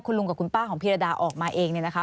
ลุงกับคุณป้าของพิรดาออกมาเองเนี่ยนะคะ